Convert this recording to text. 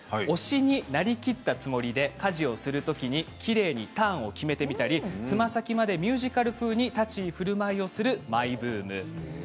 推しになりきったつもりで家事をするときにきれいにターンを決めてみたりつま先までミュージカル風に立ち居振る舞いするのがマイブーム。